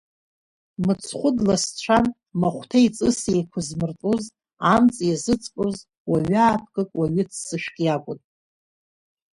Мыцхәы дласцәан, махәҭеи ҵыси еиқәызмыртәоз, амҵ иазыҵҟьоз, уаҩы аапкык, уаҩы ццышәк иакәын.